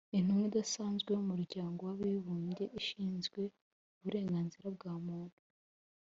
Intumwa idasanzwe y’Umuryango w’Abibumbye ishinzwe uburenganzira bwa muntu